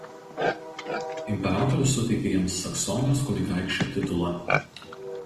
Imperatorius suteikė jiems Saksonijos kunigaikščio titulą.